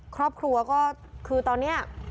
ครอบครัวก็คือตอนนี้